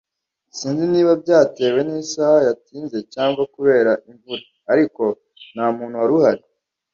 Sinzi niba byatewe nisaha yatinze cyangwa kubera imvura, ariko ntamuntu wari uhari.